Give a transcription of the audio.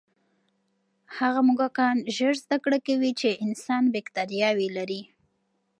هغه موږکان ژر زده کړه کوي چې انسان بکتریاوې لري.